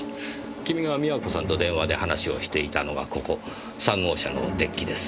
君が美和子さんと電話で話をしていたのはここ３号車のデッキです。